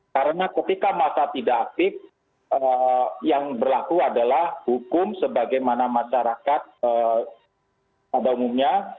karena ketika masa tidak aktif yang berlaku adalah hukum sebagaimana masyarakat pada umumnya